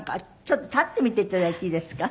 ちょっと立ってみていただいていいですか？